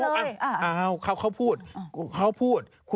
ก็ก็แล้วเขาจะรู้อ้าวเขาพูด